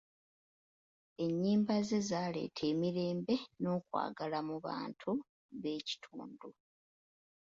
Ennyimba ze zaaleeta emirembe n'okwagala mu bantu b'ekitundu.